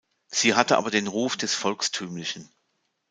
Sie hatte aber den Ruf des Volkstümlichen.